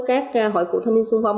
các hội cụ thanh niên xung phong